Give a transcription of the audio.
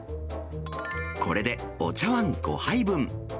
これでお茶わん５杯分。